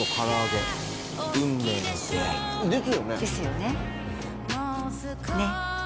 ですよね。ね？